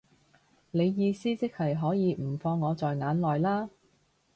你意思即係可以唔放我在眼內啦